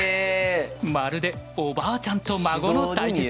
まるでおばあちゃんと孫の対決！